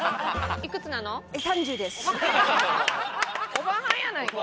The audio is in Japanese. おばはんやない。